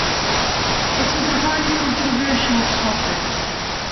It is a highly controversial topic.